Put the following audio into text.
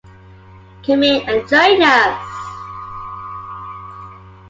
Come in and join us.